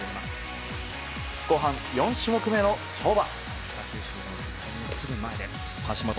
後半４種目めの跳馬。